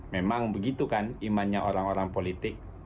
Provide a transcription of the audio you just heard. memang begitu kan imannya orang orang politik